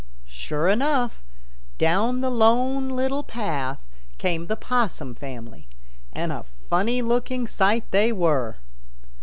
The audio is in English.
Sure enough, down the Lone Little Path came the Possum family, and a funny looking sight they were.